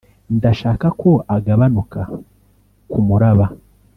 ndashaka ko agabanuka k'umuraba;